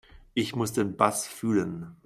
Ich muss den Bass fühlen.